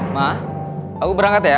ma aku berangkat ya